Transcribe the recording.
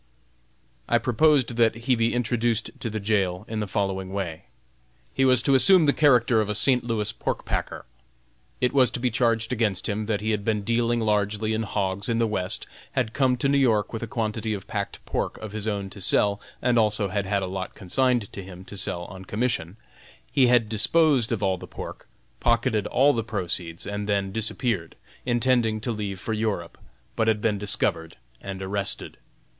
I proposed that he be introduced to to the jail in the following way: He was to assume the character of a St. Louis pork packer. It was to be charged against him that he had been dealing largely in hogs in the West, had come to New York with a quantity of packed pork of his own to sell; and also had had a lot consigned to him to sell on commission; he had disposed of all the pork, pocketed all the proceeds, and then disappeared, intending to leave for Europe, but had been discovered and arrested.